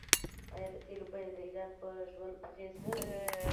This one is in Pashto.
آیا د تیلو بیه د ایران په ژوند اغیز نلري؟